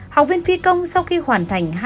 học viên phi công sau khi hoàn thành